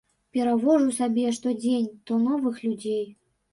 Перавожу сабе што дзень, то новых людзей.